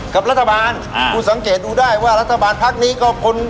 กับรัฐบาลอ่าคุณสังเกตดูได้ว่ารัฐบาลพักนี้ก็คน